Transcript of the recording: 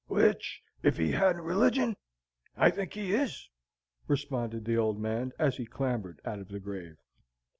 "Which, if he hadn't religion, I think he is," responded the old man, as he clambered out of the grave.